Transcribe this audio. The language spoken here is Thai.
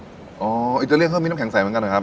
อ๋ออิตาเลียนเครื่องมีน้ำแข็งใสเหมือนกันเหรอครับ